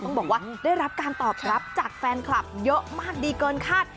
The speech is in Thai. ต้องบอกว่าได้รับการตอบรับจากแฟนคลับเยอะมากดีเกินคาด